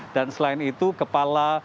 dan selain itu kepala